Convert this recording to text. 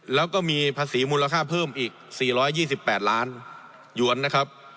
แล้วก็มีภาษีมูลค่าเพิ่มอีกสี่ร้อยยี่สิบแปดล้านหยวนนะครับ